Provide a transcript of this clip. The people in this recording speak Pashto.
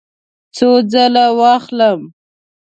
څو ځله واخلم؟